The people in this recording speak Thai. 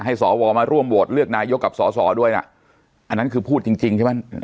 ให้สอวรมาร่วมโหวตเลือกนายกกับส่อด้วยอันนั้นคือพูดจริงใช่มั้ย